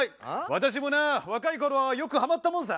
私もな若いころはよくハマったもんさ。